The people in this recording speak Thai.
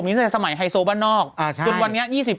นี่นะฮะคอยแถยอยซอย